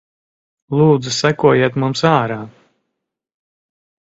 Lūdzu sekojiet mums ārā.